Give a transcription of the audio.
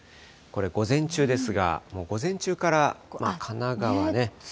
これ午前中ですが、もう午前中から神奈川で。